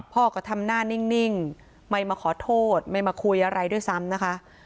พ่อก็ทำหน้านิ่งไม่มาขอโทษไม่มาคุยอะไรด้วยซ้ำนะคะ